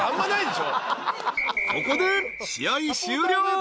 ［ここで試合終了］